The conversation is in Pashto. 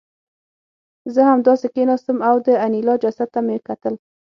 زه همداسې کېناستم او د انیلا جسد ته مې کتل